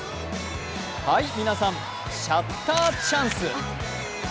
はい、皆さん、シャッターチャンス。